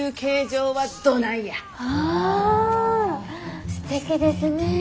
あすてきですね。